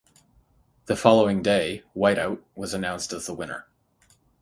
The following day, White Out was announced as the winner.